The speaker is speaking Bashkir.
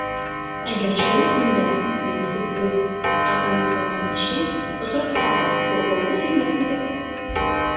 Әгәр шул төндә Йөнһөҙҙө — ә атамаһы уның Кеше — осратһағыҙ, ҡурҡыу кисермәҫһегеҙ.